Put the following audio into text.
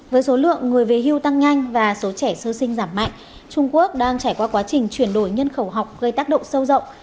với số lượng người về hưu tăng nhanh và số trẻ sơ sinh giảm mạnh trung quốc đang trải qua quá trình chuyển đổi nhân khẩu học gây tác động sâu rộng